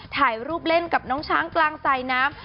ถ่ายรูปเล่นกับน้องช้างกลางสายน้ำ